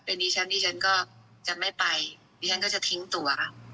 อันนี้ฉันดิฉันก็จะไม่ไปดิฉันก็จะทิ้งตัว